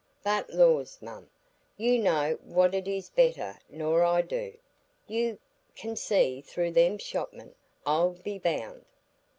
But lors! mum, you know what it is better nor I do,—you can see through them shopmen, I'll be bound."